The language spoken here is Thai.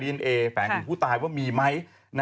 เปลี่ยนแปลงถึงผู้ตายว่ามีไหม